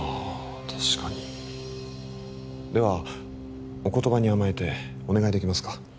確かにではお言葉に甘えてお願いできますか？